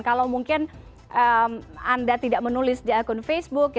kalau mungkin anda tidak menulis di akun facebook